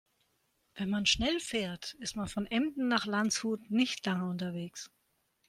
Wenn man schnell fährt, ist man von Emden nach Landshut nicht lange unterwegs